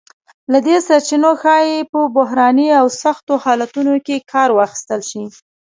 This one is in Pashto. له دې سرچینو ښایي په بحراني او سختو حالتونو کې کار واخیستل شی.